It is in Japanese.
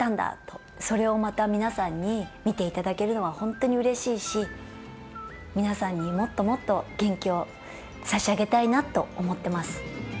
それをまた皆さんに見ていただけるのは本当にうれしいし皆さんにもっともっと元気を差し上げたいなと思ってます。